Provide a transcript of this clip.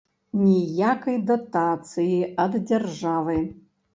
Ніякай датацыі ад дзяржавы.